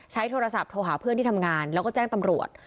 โทรศัพท์โทรหาเพื่อนที่ทำงานแล้วก็แจ้งตำรวจ